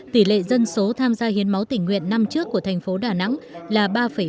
tỷ lệ dân số tham gia hiến máu tỉnh nguyện năm trước của thành phố đà nẵng là ba ba